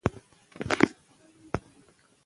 افغانستان د کلتور په اړه مشهور تاریخی روایتونه لري.